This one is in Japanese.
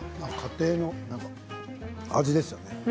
家庭の味ですよね。